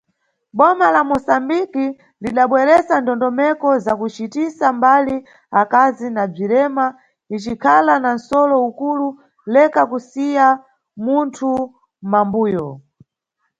Bma la Mosambiki, lidabweresa ndondomeko za kucitisa mbali akazi na bzirema, icikhala na nʼsolo ukulu "Leka kusiya munthu mʼmambuyo".